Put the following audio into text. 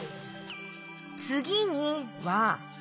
「つぎに」は。